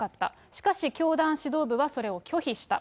しかし教団指導部はそれを拒否した。